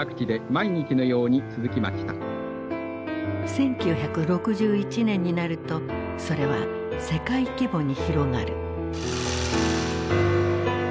１９６１年になるとそれは世界規模に広がる。